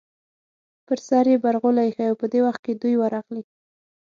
پر سر یې برغولی ایښی و، په دې وخت کې دوی ورغلې.